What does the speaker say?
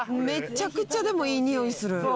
めっちゃくちゃでもいいにおいする。